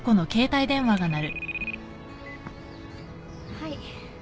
はい。